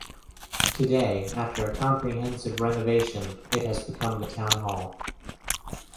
Today after a comprehensive renovation it has become the town hall.